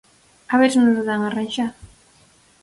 A ver se nolo dan arranxado.